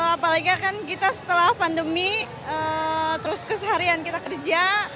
apalagi kan kita setelah pandemi terus keseharian kita kerja